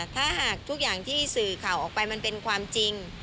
ถ้าหากทุกอย่างที่สื่อข่าวออกไปมันเป็นความจริง